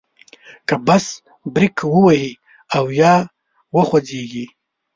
که بس بریک ووهي او یا وخوځیږي.